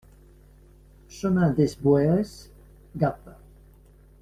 Chemin Dès Boeres, Gap